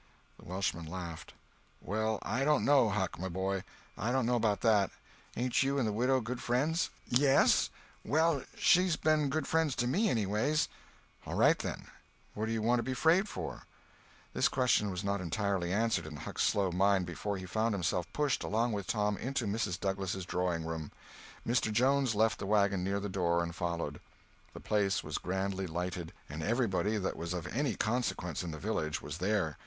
The Welshman laughed. "Well, I don't know, Huck, my boy. I don't know about that. Ain't you and the widow good friends?" "Yes. Well, she's ben good friends to me, anyway." "All right, then. What do you want to be afraid for?" This question was not entirely answered in Huck's slow mind before he found himself pushed, along with Tom, into Mrs. Douglas' drawing room. Mr. Jones left the wagon near the door and followed. The place was grandly lighted, and everybody that was of any consequence in the village was there.